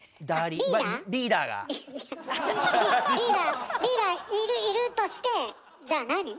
リーダーいるとしてじゃあなに？